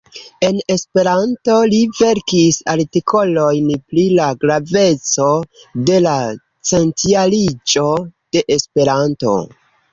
En Esperanto, li verkis artikolojn pri la graveco de la Centjariĝo de Esperanto.